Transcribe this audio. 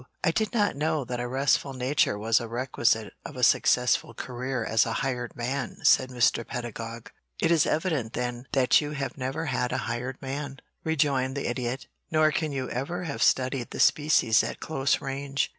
"I did not know that a restful nature was a requisite of a successful career as a hired man," said Mr. Pedagog. "It is evident, then, that you have never had a hired man," rejoined the Idiot. "Nor can you ever have studied the species at close range.